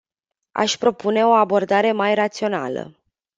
Aș propune o abordare mai rațională.